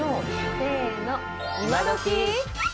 せの。